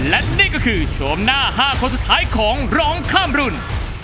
และนี่ก็คือโฉมหน้า๕คนสุดท้ายของร้องข้ามรุ่น